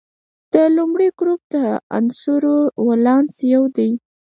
د لومړي ګروپ د عنصرونو ولانس یو دی.